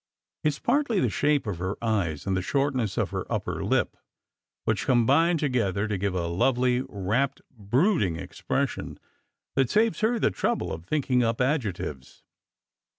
It s partly the shape of her eyes and the shortness of her upper lip, which combine together to give a lovely, rapt, brooding expression, that saves her the trouble of thinking up adjectives.